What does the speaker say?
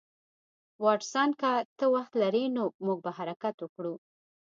واټسن که ته وخت لرې نو موږ به حرکت وکړو